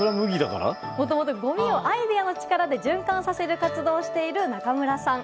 もともと、ごみをアイデアの力で循環させる活動をしている中村さん。